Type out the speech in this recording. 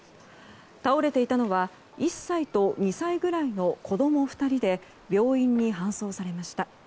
倒れていたのは１歳と２歳ぐらいの子供２人で病院に搬送されました。